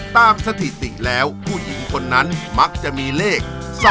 สถิติแล้วผู้หญิงคนนั้นมักจะมีเลข๒